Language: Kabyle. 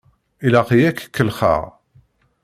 Ilaq-iyi ad k-kellexeɣ!